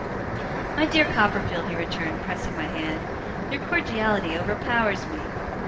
'My dear Copperfield,' he returned, pressing my hand, 'your cordiality overpowers me.